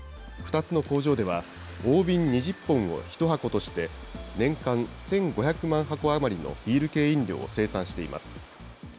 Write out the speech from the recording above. ２つの工場では、大瓶２０本を１箱として、年間１５００万箱余りのビール系飲料を生産しています。